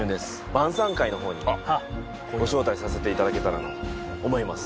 晩餐会の方にご招待させていただけたらなと思います